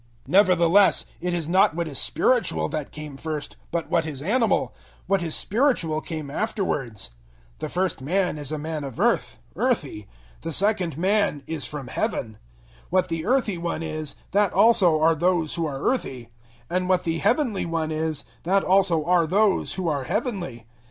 015:046 Nevertheless, it is not what is spiritual that came first, but what is animal; what is spiritual came afterwards. 015:047 The first man is a man of earth, earthy; the second man is from Heaven. 015:048 What the earthy one is, that also are those who are earthy; and what the heavenly One is, that also are those who are heavenly.